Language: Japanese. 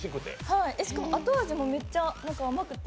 しかも、後味もめっちゃ甘くて。